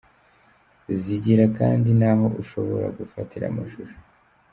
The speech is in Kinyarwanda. Zigira kandi n’aho ushobora gufatira amashusho.